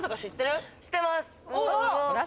知ってます。